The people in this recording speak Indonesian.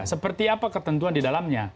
seperti apa ketentuan di dalamnya